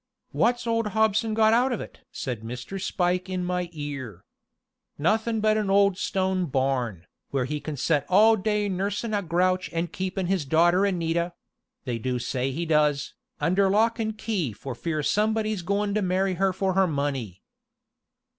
"What's old Hobson got out of it?" said Mr. Spike in my ear. "Nothin' but an old stone barn, where he can set all day nursin' a grouch and keepin' his daughter Anita they do say he does under lock and key for fear somebody's goin' to marry her for her money."